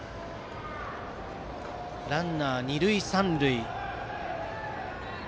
ランナー、二塁三塁。